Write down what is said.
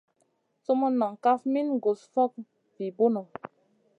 Sumun non kaf min gus fokŋa vi bunu.